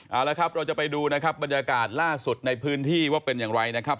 เอาละครับเราจะไปดูนะครับบรรยากาศล่าสุดในพื้นที่ว่าเป็นอย่างไรนะครับ